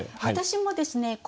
私もですね